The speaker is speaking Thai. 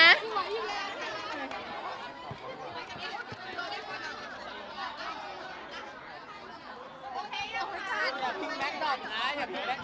โอเคเดี๋ยวคุณภาษาสร้างแบล็คดอร์บล้อม